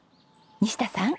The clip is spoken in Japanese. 西田さん。